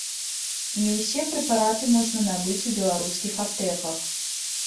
Не ўсе прэпараты можна набыць у беларускіх аптэках.